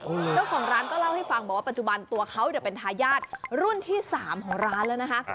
เจ้าของร้านก็เล่าให้ฟังบอกว่าปัจจุบันตัวเขาเป็นทายาทรุ่นที่๓ของร้านแล้วนะคะ